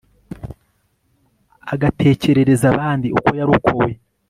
agatekerereza abandi uko yarokowe